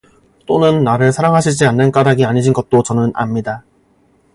또는 나를 사랑 하시지 않는 까닭이 아니신 것도 저는 압니다.